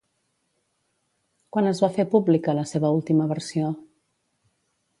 Quan es va fer pública la seva última versió?